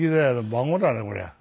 孫だねこりゃ。